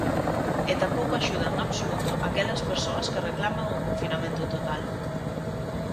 E tampouco axudan en absoluto aquelas persoas que reclaman o confinamento total.